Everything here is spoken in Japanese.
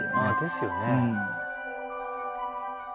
ですよね。